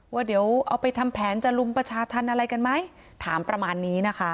ว่าเดี๋ยวเอาไปทำแผนจะลุมประชาธรรมอะไรกันไหมถามประมาณนี้นะคะ